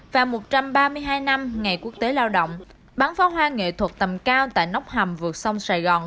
và một trăm ba mươi hai năm ngày quốc tế lao động bán pháo hoa nghệ thuật tầm cao tại nóc hầm vượt sông sài gòn